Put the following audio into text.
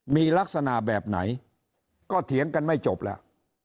มีลักษณะแบบไหนก็เถียงกันไม่จบแล้ว